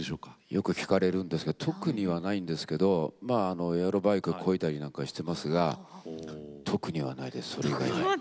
よく聞かれるんですけど特にはないんですけどエアロバイクこいだりなんかしてますが特にはないですそれ以外に。